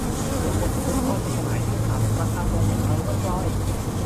สวมบทเป็นคุณพ่อใจสลายที่ลูกสาวถูกลักพาตัวอย่างไร้ร่องรอย